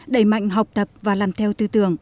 đẩy mạnh học tập và làm theo tư tưởng